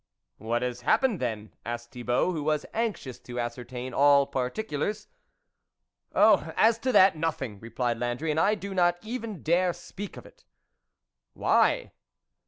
" What has happened then ?" asked Thibault, who was anxious to ascertain all particulars. " Oh ! as to that, nothing, " replied Landry, " and I do not even dare speak of it." " Why